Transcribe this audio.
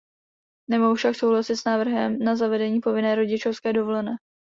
Nemohu však souhlasit s návrhem na zavedení povinné rodičovské dovolené.